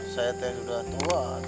saya teh sudah tua tuh